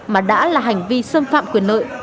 mà đã là hành vi xâm phạm quyền lợi